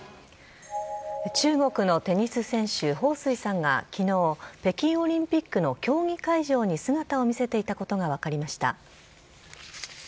中国のテニス選手、彭帥さんがきのう、北京オリンピックの競技会場に姿を見せていたことが分かりました。